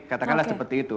katakanlah seperti itu